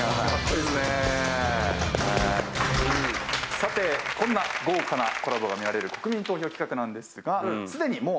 さてこんな豪華なコラボが見られる国民投票企画ですがすでにもう。